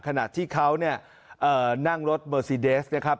ขณะที่เขาเนี่ยนั่งรถเมอร์ซีเดสนะครับ